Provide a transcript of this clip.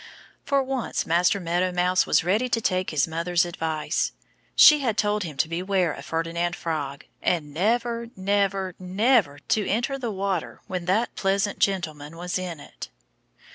For once Master Meadow Mouse was ready to take his mother's advice. She had told him to beware of Ferdinand Frog and never, never, never to enter the water when that pleasant gentleman was in it.